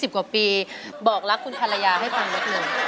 ๒๐กว่าปีบอกรักคุณภรรยาให้พลอยน้ำ